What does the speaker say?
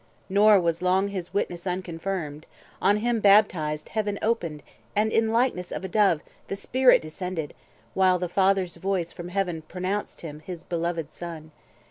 Nor was long His witness unconfirmed: on him baptized Heaven opened, and in likeness of a Dove 30 The Spirit descended, while the Father's voice From Heaven pronounced him his beloved Son.